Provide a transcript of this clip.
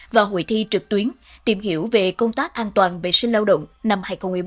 và hội thi trực tuyến tìm hiểu về công tác an toàn vệ sinh lao động năm hai nghìn một mươi bốn